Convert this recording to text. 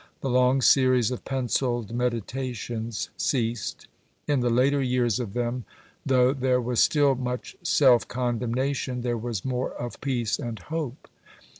The long series of pencilled meditations ceased. In the later years of them though there was still much self condemnation, there was more of peace and hope.